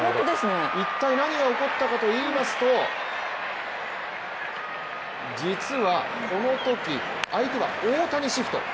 一体、何が起こったかと言いますと実はこのとき、相手は大谷シフト。